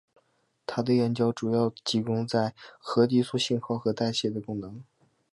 他的研究主要集中在核激素信号和代谢的功能。